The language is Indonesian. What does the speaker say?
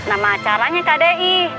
nama acaranya kdi